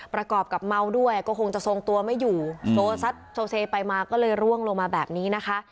ประกอบกับเมาด้วยก็คงจะทรงตัวไม่อยู่โซซัดโซเซไปมาก็เลยร่วงลงมาแบบนี้นะคะ